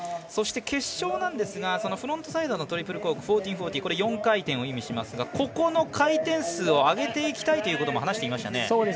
そして決勝なんですがそのフロントサイドのトリプルコーク１４４０４回転を意味しますがここの回転数を上げていきたいということも話していましたね。